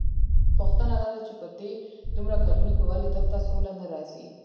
پوښتنه داده چې په دې دومره کلونو کې ولې دلته سوله نه راځي؟